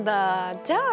じゃあ。